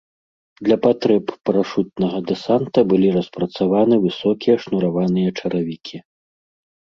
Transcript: Для патрэб парашутнага дэсанта былі распрацаваны высокія шнураваныя чаравікі.